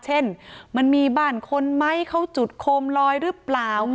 เช่นมันมีบ้านคนไหมเขาจุดโคมลอยหรือเปล่า